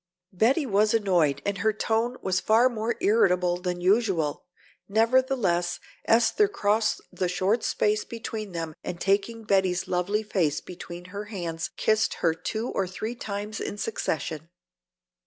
Betty was annoyed and her tone was far more irritable than usual. Nevertheless, Esther crossed the short space between them and taking Betty's lovely face between her hands kissed her two or three times in succession.